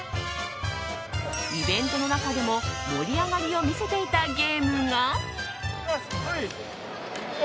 イベントの中でも、盛り上がりを見せていたゲームが。